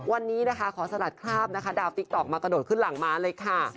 วันนี้นะคะขอสลัดคราบนะคะดาวติ๊กต๊อกมากระโดดขึ้นหลังม้าเลยค่ะ